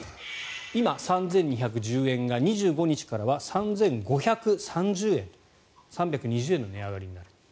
今、３２１０円が２５日からは３５３０円と３２０円の値上がりになります。